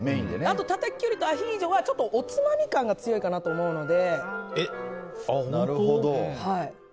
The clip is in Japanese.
たたききゅうりとアヒージョはおつまみ感が強いと思うので。